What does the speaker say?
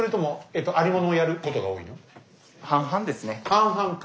半々か。